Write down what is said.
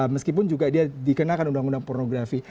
meskipun dia juga dikenakan undang undang pornografi